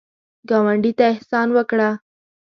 ګاونډي ته احسان وکړه